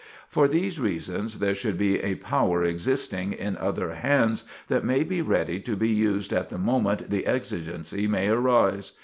For these reasons, there should be a power existing in other hands that may be ready to be used at the moment the exigency may arise."